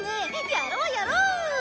やろうやろう！